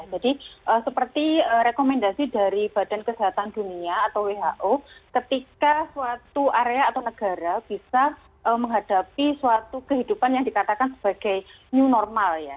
jadi seperti rekomendasi dari badan kesehatan dunia atau who ketika suatu area atau negara bisa menghadapi suatu kehidupan yang dikatakan sebagai new normal ya